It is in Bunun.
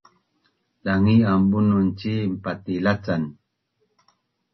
dangi’an bunun cin patilacan